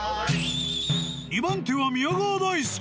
［２番手は宮川大輔］